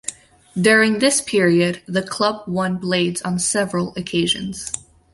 During this period the club won blades on several occasions.